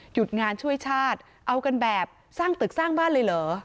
หยุดงานช่วยชาติเอากันแบบสร้างตึกสร้างบ้านเลยเหรอ